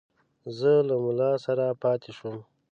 زه له مُلا سره پاته شوم.